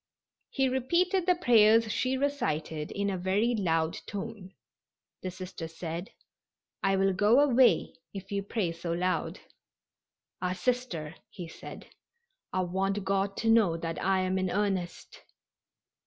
He repeated the prayers she recited in a very loud tone. The Sister said: "I will go away if you pray so loud." "Ah, Sister," he said, "I want God to know that I am in earnest."